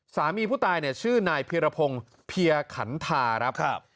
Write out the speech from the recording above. สามีผู้ตายเนี่ยชื่อนายเพียรพงศ์เพียขันทาครับ